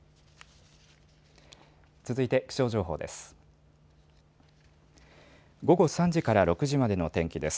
続いて気象情報です。